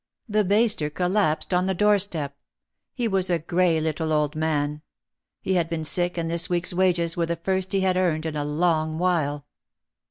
The baster collapsed on the doorstep. He was a grey little old man. He had been sick and this week's wages were the first he had earned in a long while.